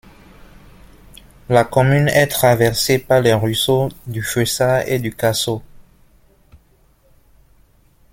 La commune est traversée par les ruisseaux, du Fessard et du Casseau.